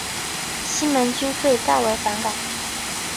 西门君遂大为反感。